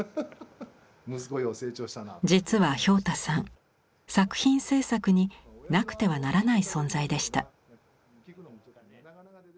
実は俵太さん作品制作になくてはならない存在でした。